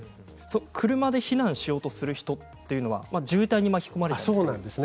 車で避難しようとする人は渋滞に巻き込まれたりしますね。